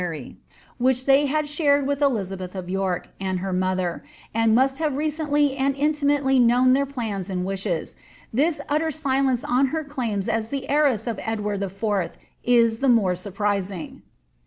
31 foary, which they had shared with Elizabeth of York and her mother, ind must have recendy and intimately known their plans and wishes, this utter sOence on her claims as the heiress of Edward IV. is the more nirprising.